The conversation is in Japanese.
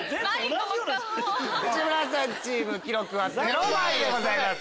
内村さんチーム記録は０枚です